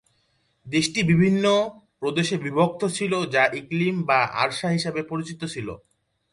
দেশটি বিভিন্ন প্রদেশে বিভক্ত ছিল, যা ইকলিম বা আরসাহ হিসেবে পরিচিত ছিল।